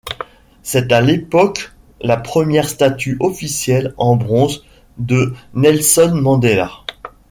C'est à l'époque la première statue officielle en bronze de Nelson Mandela.